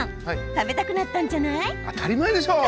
食べたくなったんじゃない？